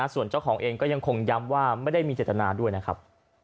ส่วนเจ้าของเองก็ยังคงย้ำว่าไม่ได้มีเจตนาด้วยนะครับ